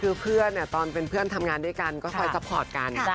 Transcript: คือเพื่อนตอนเป็นเพื่อนทำงานด้วยกันก็คอยซัพพอร์ตกัน